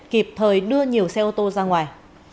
kịp thời đưa nhiều xe ô tô ra ngoài